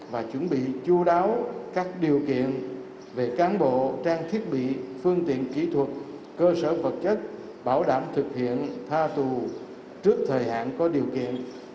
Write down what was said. và chuẩn bị chú đáo các điều kiện về cán bộ trang thiết bị phương tiện kỹ thuật cơ sở vật chất bảo đảm thực hiện tha tù trước thời hạn có điều kiện